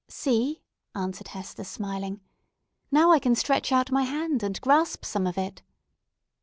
"See!" answered Hester, smiling; "now I can stretch out my hand and grasp some of it."